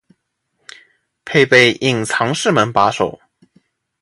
配备隐藏式门把手